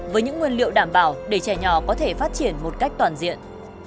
với những nguyên liệu đảm bảo để trẻ nhỏ có thể phát triển một cách toàn diện